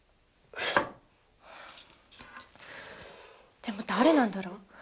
でも誰なんだろう。